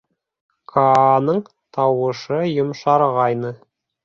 — Кааның тауышы йомшарғайны.